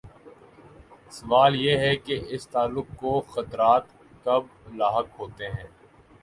سوال یہ ہے کہ اس تعلق کو خطرات کب لاحق ہوتے ہیں؟